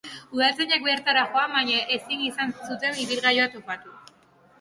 Udaltzainak bertara joan, baina ezin izan zuten ibilgailua topatu.